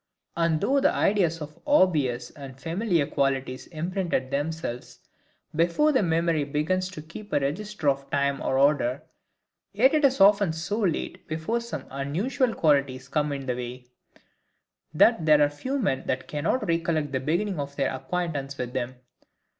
And though the ideas of obvious and familiar qualities imprint themselves before the memory begins to keep a register of time or order, yet it is often so late before some unusual qualities come in the way, that there are few men that cannot recollect the beginning of their acquaintance with them.